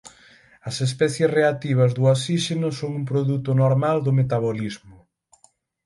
As especies reactivas do osíxeno son un produto normal do metabolismo.